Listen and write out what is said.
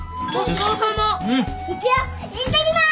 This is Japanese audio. いってきます。